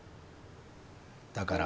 だから。